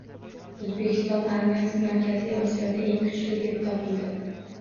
O‘zbekiston armiyasi Markaziy Osiyoda eng kuchli deb topildi